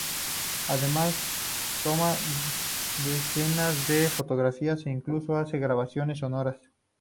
Además toma decenas de fotografías e incluso hace grabaciones sonoras.